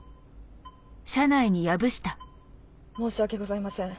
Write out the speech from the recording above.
申し訳ございません。